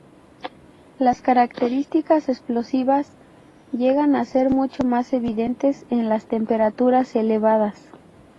Las características explosivas llegan a ser mucho más evidentes en las temperaturas elevadas.